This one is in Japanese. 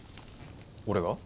俺が？